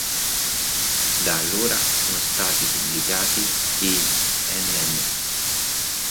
Da allora sono stati pubblicati i nn.